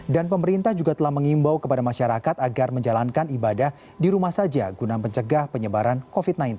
dan pemerintah juga telah mengimbau kepada masyarakat agar menjalankan ibadah di rumah saja guna mencegah penyebaran covid sembilan belas